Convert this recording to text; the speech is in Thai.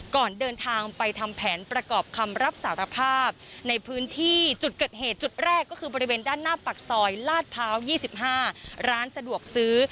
ก่อนเดินทางไปทำแผนประกอบคำรับสารภาพในพื้นที่จุดเกิดเหตุจุดแรกก็คือบริเวณด้านหน้าปากซอยลาดพร้าว๒๕ร้านสะดวกซื้อ